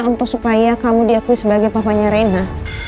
untuk supaya kamu diakui sebagai papanya reina